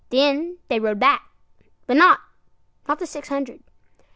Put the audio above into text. Then they rode back, but notNot the six hundred.